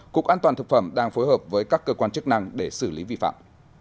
cục an toàn thực phẩm đang phối hợp với các cơ quan chức năng để xử lý vi phạm